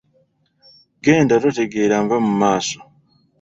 Genda totegeera nva mu maaso.